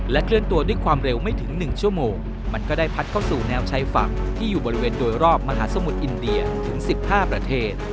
เคลื่อนตัวด้วยความเร็วไม่ถึง๑ชั่วโมงมันก็ได้พัดเข้าสู่แนวชายฝั่งที่อยู่บริเวณโดยรอบมหาสมุทรอินเดียถึง๑๕ประเทศ